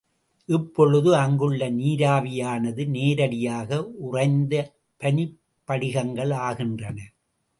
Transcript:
இப்பொழுது அங்குள்ள நீராவியானது நேரடியாக உறைந்து பனிப்படிகங்கள் ஆகின்றன.